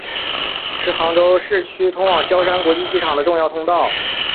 是杭州市区通往萧山国际机场的重要通道。